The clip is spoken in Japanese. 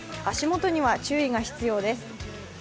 足元には注意が必要です。